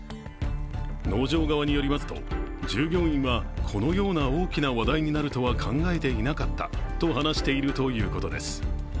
農場側によりますと、従業員はこのような大きな話題になるとは考えていなかったと話しているということです。